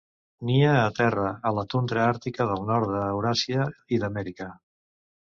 Nia a terra a la tundra àrtica del nord d'Euràsia i d'Amèrica.